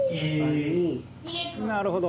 「なるほど」